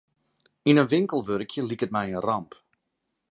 Yn in winkel wurkje liket my in ramp.